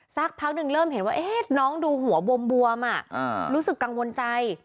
สักพักหนึ่งเริ่มเห็นว่าน้องดูหัวบวมรู้สึกกังวลใจ